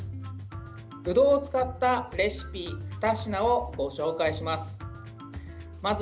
ぶどうを使ったレシピふた品をご紹介します。